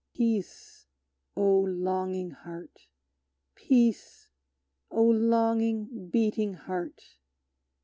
Peace, O longing heart! Peace, O longing, beating heart!